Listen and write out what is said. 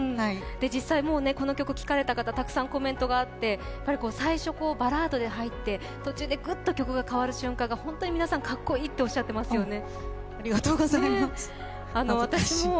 実際、この曲、聴かれたときいろいろコメントがあって最初、バラードで入って途中でグッと曲が変わる瞬間が本当に皆さん、かっこいいっておっしゃっていますよね。